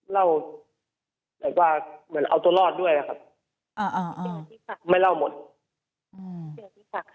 เล่าหรือว่าเหมือนเอาตัวรอดด้วยอะครับอ่าอ่าไม่เล่าหมดอืม